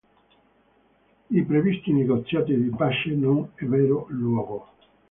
I previsti negoziati di pace non ebbero luogo.